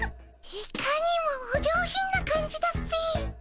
いかにもお上品な感じだっピィ。